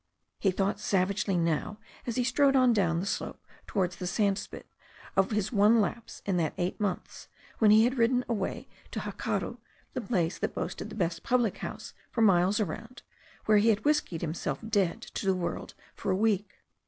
He thought savagely now, as he strode on down the slope towards the sandspit, of his one lapse in that eight months, when he had ridden away to Hakaru, the place that boasted the best public house for miles around, where he had whis kied himself dead to the world for a week.